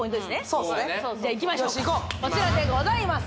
そうですねじゃあいきましょうかこちらでございます